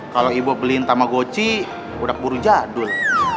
kalo ibuk beliin tamagotchi udah buru jadul